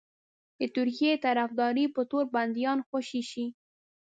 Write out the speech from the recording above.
د ترکیې د طرفدارۍ په تور بنديان خوشي شي.